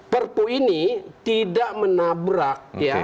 perpu ini tidak menabrak